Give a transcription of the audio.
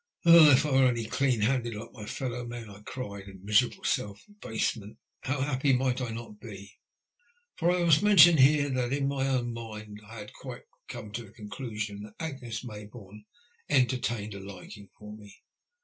'^ Oh ! if I were only clean handed like my fellow men," I cried, in miserable self abasement, '' how happy might I not be !" For I must mention here that in my own mind I had quite come to the conclusion that Agnes Mayboume entertained a liking for me.